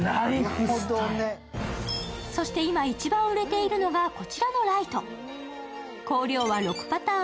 今一番売れているのがこちらのライト。